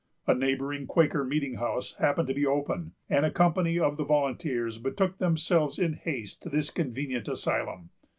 A neighboring Quaker meeting house happened to be open, and a company of the volunteers betook themselves in haste to this convenient asylum.